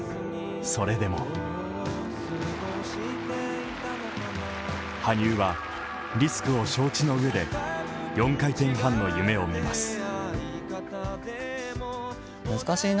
それでも羽生はリスクを承知のうえで４回転半の夢を見ます。